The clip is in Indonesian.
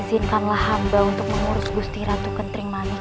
tapi izinkanlah hamba untuk mengurus gusti ratu gentering manik